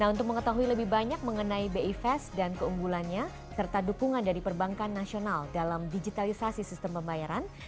untuk mengetahui lebih banyak mengenai bi fast dan keunggulannya serta dukungan dari perbankan nasional dalam digitalisasi sistem pembayaran